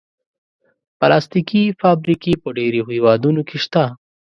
پلاستيکي فابریکې په ډېرو هېوادونو کې شته.